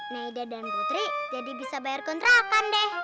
neda dan mbitri jadi bisa bayar kontrakan deh